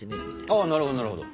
ああなるほどなるほど。